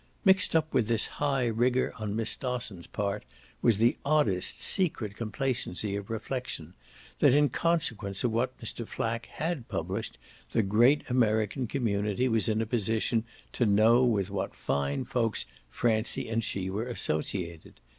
Mixed up with this high rigour on Miss Dosson's part was the oddest secret complacency of reflexion that in consequence of what Mr. Flack HAD published the great American community was in a position to know with what fine folks Francie and she were associated.